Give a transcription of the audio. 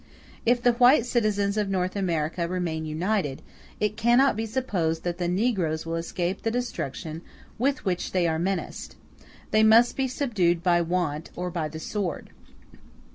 If the white citizens of North America remain united, it cannot be supposed that the negroes will escape the destruction with which they are menaced; they must be subdued by want or by the sword.